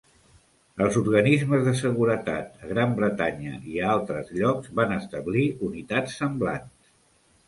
Els organismes de seguretat, a Gran Bretanya i a altres llocs, van establir unitats semblants.